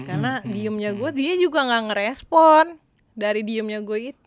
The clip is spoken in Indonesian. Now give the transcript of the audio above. karena diemnya gue dia juga gak ngerespon dari diemnya gue itu